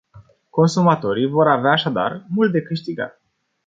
Consumatorii vor avea așadar mult de câștigat.